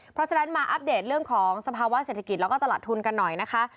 เพราะฉะนั้นมาอัปเดตเรื่องของสภาวะเศรษฐกิจแล้วก็ตลาดทุนกันหน่อยนะคะ